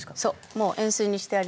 もう塩水にしてあります。